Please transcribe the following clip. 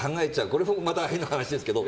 これも変な話ですけど。